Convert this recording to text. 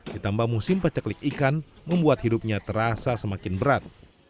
ditambah musim peceklik ikan membuat hidupnya terasa semakin berat